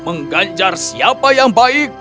mengganjar siapa yang baik